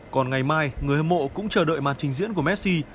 còn ngày mai người hâm mộ cũng chờ đợi màn trình diễn của messi